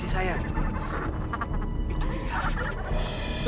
tidak ada apa apa